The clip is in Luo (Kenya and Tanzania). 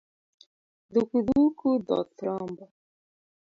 Dhuku dhuku dhoth rombo